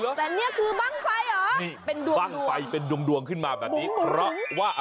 เมื่อวานเข้าหลามกลับบ้างมา